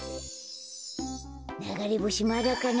ながれぼしまだかな。